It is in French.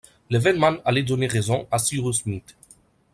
L’événement allait donner raison à Cyrus Smith.